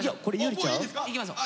いきましょう。